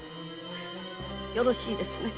よろしいですね？〕